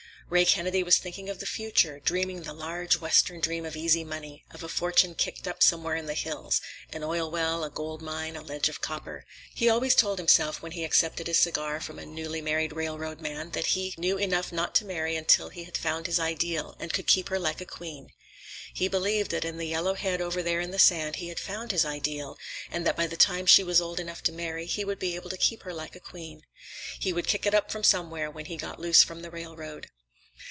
Ray Kennedy was thinking of the future, dreaming the large Western dream of easy money, of a fortune kicked up somewhere in the hills,—an oil well, a gold mine, a ledge of copper. He always told himself, when he accepted a cigar from a newly married railroad man, that he knew enough not to marry until he had found his ideal, and could keep her like a queen. He believed that in the yellow head over there in the sand he had found his ideal, and that by the time she was old enough to marry, he would be able to keep her like a queen. He would kick it up from somewhere, when he got loose from the railroad.